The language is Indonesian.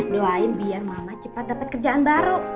doain biar mama cepat dapat kerjaan baru